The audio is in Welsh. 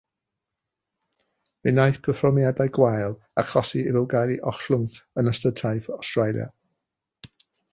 Fe wnaeth perfformiadau gwael achosi iddo gael ei ollwng yn ystod taith Awstralia.